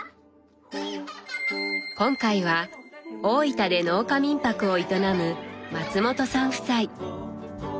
今回は大分で農家民泊を営む松本さん夫妻。